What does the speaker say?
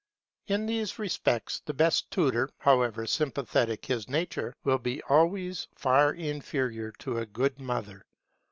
In these respects the best tutor, however sympathetic his nature, will be always far inferior to a good mother.